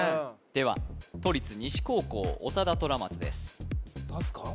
では都立西高校長田虎松です出すか？